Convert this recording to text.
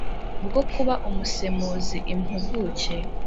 bwo kuba umusemuzi impuguke